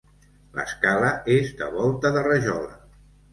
L'escala és de volta de rajola.